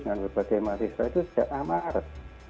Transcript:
dengan berbagai mahasiswa itu sejak maret